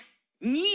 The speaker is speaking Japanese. ２位。